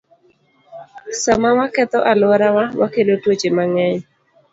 Sama waketho alworawa, wakelo tuoche mang'eny.